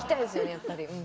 やっぱり。